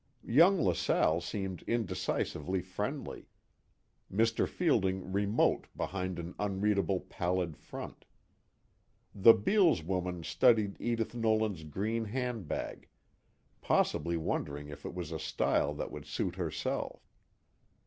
Young LaSalle seemed indecisively friendly, Mr. Fielding remote behind an unreadable pallid front. The Beales woman studied Edith Nolan's green handbag, possibly wondering if it was a style that would suit herself.